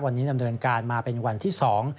วันนี้ดำเนินการมาเป็นวันที่สอง